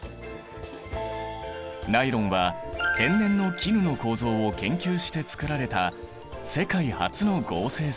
ナイロンは天然の絹の構造を研究してつくられた世界初の合成繊維。